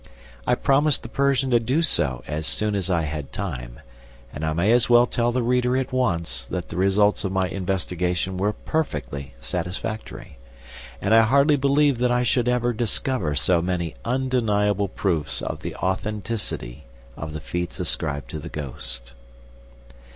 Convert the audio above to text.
I promised the Persian to do so as soon as I had time, and I may as well tell the reader at once that the results of my investigation were perfectly satisfactory; and I hardly believed that I should ever discover so many undeniable proofs of the authenticity of the feats ascribed to the ghost.